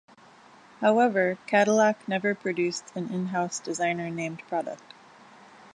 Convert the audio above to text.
However, Cadillac never produced an in-house designer-named product.